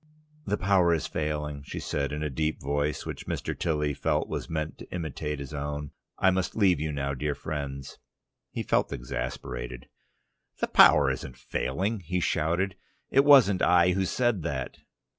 "The power is failing," she said, in a deep voice, which Mr. Tilly felt was meant to imitate his own. "I must leave you now, dear friends " He felt much exasperated. "The power isn't failing," he shouted. "It wasn't I who said that."